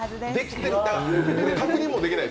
確認もできない。